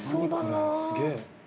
すげえ！」